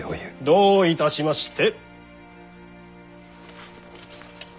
どういたしまして。